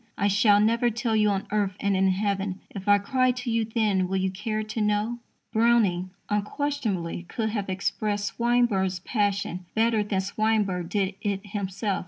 I shall never tell you on earth, and in heaven, If I cry to you then, will you care to know? Browning, unquestionably, could have expressed Swinburne's passion better than Swinburne did it himself.